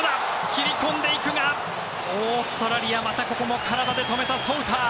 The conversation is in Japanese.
切り込んでいくがオーストラリアまたここも体で止めたソウター。